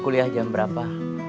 kuliah jam berapa